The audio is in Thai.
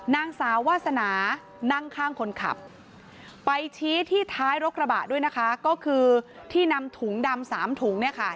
นางสาววาสนานั่งข้างคนขับไปชี้ที่ท้ายรถกระบะด้วยนะคะก็คือที่นำถุงดำสามถุงเนี่ยค่ะ